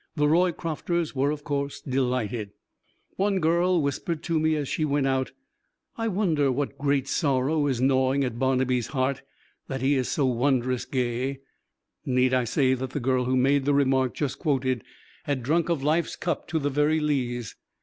The Roycrofters were, of course, delighted. One girl whispered to me as she went out, "I wonder what great sorrow is gnawing at Barnabee's heart, that he is so wondrous gay!" Need I say that the girl who made the remark just quoted had drunk of life's cup to the very lees?